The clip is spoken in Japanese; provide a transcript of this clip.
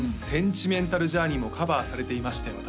「センチメンタル・ジャーニー」もカバーされていまして